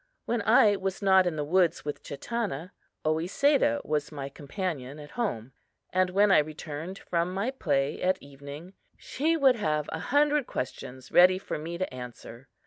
When I was not in the woods with Chatanna, Oesedah was my companion at home; and when I returned from my play at evening, she would have a hundred questions ready for me to answer.